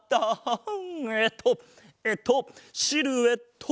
えっとえっとシルエット！